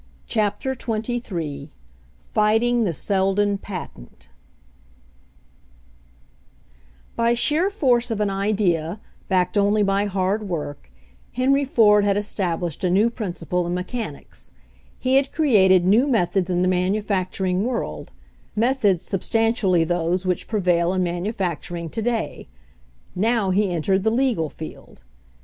CHAPTER XXIII FIGHTING THE SELDON PATENT By sheer force of an idea, backed only by hard work, Henry Ford had established a new princi ple in mechanics ; he had created new methods in the manufacturing world — methods substantially those which prevail in manufacturing to day; now he entered the legal field.